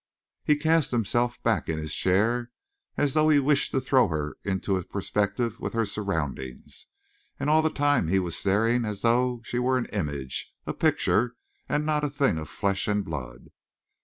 He cast himself back in his chair, as though he wished to throw her into perspective with her surroundings, and all the time he was staring as though she were an image, a picture, and not a thing of flesh and blood.